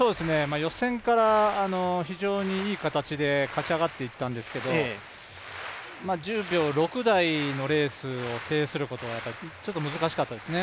予選から非常にいい形で勝ち上がっていったんですけど１０秒６台のレースを制することはちょっと難しかったですね。